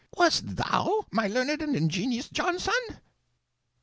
Wasn't you, my learned and ingenious Jonson?